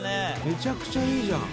めちゃくちゃいいじゃん。